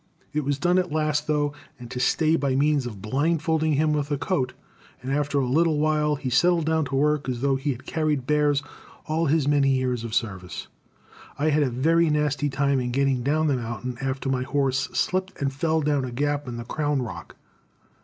It was done at last, though, and to stay, by means of blindfolding him with a coat; and after a little while he settled down to work as though he had carried bears all his many years of service. I had a very nasty time in getting down the mountain after my horse slipped and fell down a gap in the crown rock.